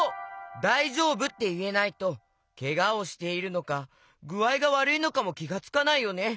「だいじょうぶ？」っていえないとけがをしているのかぐあいがわるいのかもきがつかないよね。